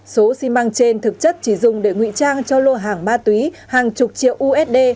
số xi măng trên thực chất chỉ dùng để ngụy trang cho lô hàng ma túy hàng chục triệu usd